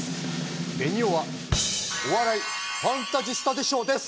ベニオは「お笑いファンタジスタで賞」です！